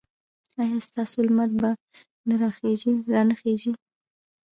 ایا ستاسو لمر به را نه خېژي؟